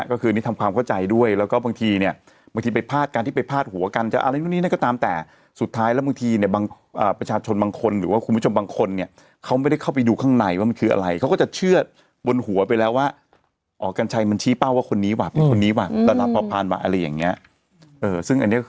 ก็คือนี่ทำความเข้าใจด้วยแล้วก็บางทีเนี่ยบางทีไปพาดกันที่ไปพาดหัวกันจะอะไรนู่นนี่นั่นก็ตามแต่สุดท้ายแล้วบางทีเนี่ยบางประชาชนบางคนหรือว่าคุณผู้ชมบางคนเนี่ยเขาไม่ได้เข้าไปดูข้างในว่ามันคืออะไรเขาก็จะเชื่อบนหัวไปแล้วว่าอ๋อกัญชัยมันชี้เป้าว่าคนนี้ว่ะเป็นคนนี้ว่ะพอผ่านมาอะไรอย่างเงี้ยซึ่งอันนี้คือ